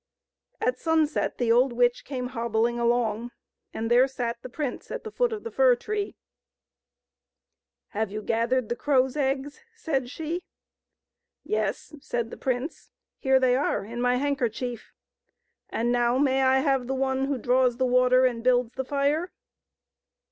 At sunset the old witch came hobbling along, and there sat the prince at the foot of the fir tree. " Have you gathered the crow's eggs ?" said she. " Yes," said the prince, " here they are in my handkerchief. And now may I have the one who draws the water and builds the fire